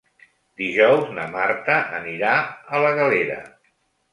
Dijous na Marta anirà a la Galera.